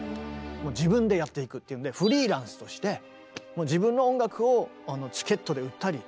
自分でやっていくっていうんでフリーランスとして自分の音楽をチケットで売ったりして。